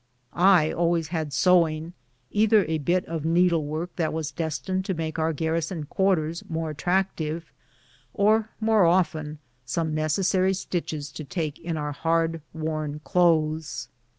I always had sewing — either a bit of needle CAVALRY ON THE MARCH. 43 work that was destined to make our garrison quarters more attractive, or more often some necessary stitclics to take in our hard worn clothes.